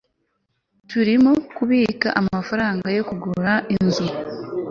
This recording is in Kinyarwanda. turimo kubika amafaranga yo kugura inzu